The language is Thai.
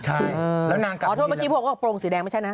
ใช่แล้วนางกลับบุรีรัมอ๋อโปรงสีแดงไม่ใช่นะ